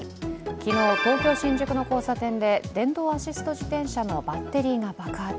昨日、東京・新宿の交差点で電動アシスト自転車のバッテリーが爆発。